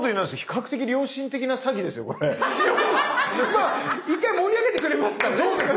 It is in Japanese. まあ１回盛り上げてくれますからね。